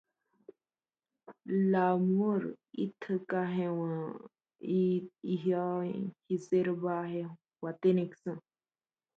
Lamour nunca negó los rumores de una aventura amorosa entre ellos.